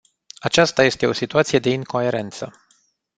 Aceasta este o situație de incoerență.